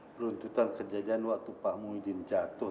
peruntutan kejadian waktu pak muhyiddin jatuh